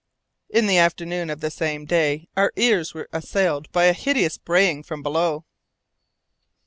In the afternoon of the same day our ears were assailed by a hideous braying from below.